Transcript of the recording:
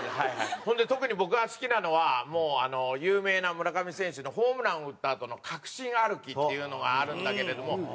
ほんで特に僕が好きなのは有名な村上選手のホームランを打ったあとの確信歩きっていうのがあるんだけれども。